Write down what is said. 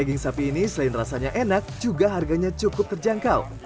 daging sapi ini selain rasanya enak juga harganya cukup terjangkau